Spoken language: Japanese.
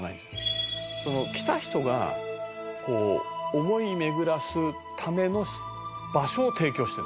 「来た人がこう思い巡らすための場所を提供してるんです」